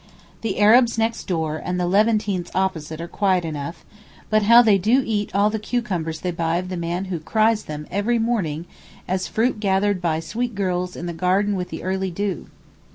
The Arabs next door and the Levantines opposite are quiet enough, but how do they eat all the cucumbers they buy of the man who cries them every morning as 'fruit gathered by sweet girls in the garden with the early dew.